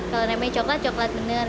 kalau namanya coklat coklat benar